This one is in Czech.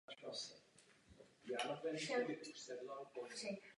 Obec se však zdvojnásobila a pokračovala v růstu.